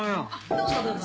どうぞどうぞ。